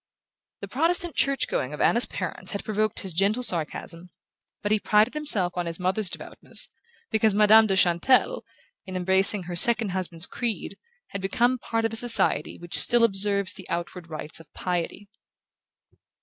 The Protestant church going of Anna's parents had provoked his gentle sarcasm; but he prided himself on his mother's devoutness, because Madame de Chantelle, in embracing her second husband's creed, had become part of a society which still observes the outward rites of piety.